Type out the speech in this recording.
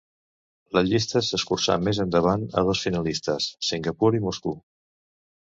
La llista s'escurçà més endavant a dos finalistes, Singapur i Moscou.